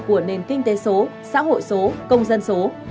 của nền kinh tế số xã hội số công dân số